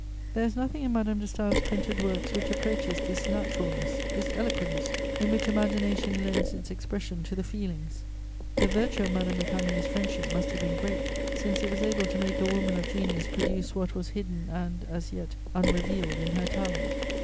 There is nothing in Madame de Staël's printed works which approaches this naturalness, this eloquence, in which imagination lends its expression to the feelings. The virtue of Madame Récamier's friendship must have been great, since it was able to make a woman of genius produce what was hidden and, as yet, unrevealed in her talent.